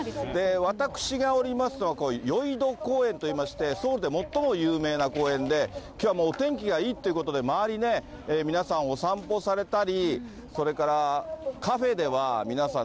私がおりますのは、ヨイド公園といいまして、ソウルで最も有名な公園で、きょうはもう、お天気がいいっていうことで、周り、皆さん、お散歩されたり、それから、カフェでは、皆さん、